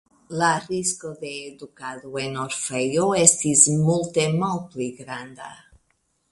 La risko de edukado en orfejo estis multe malpli granda".